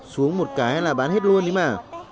xuống một cái là bán hết luôn đấy mà